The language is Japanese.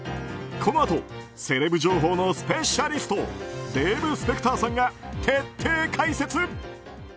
このあとセレブ情報のスペシャリストデーブ・スペクターさんが徹底解説。